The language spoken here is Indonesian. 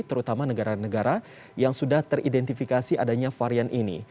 terutama negara negara yang sudah teridentifikasi adanya varian ini